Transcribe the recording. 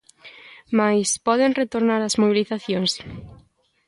Mais, poden retornar as mobilizacións?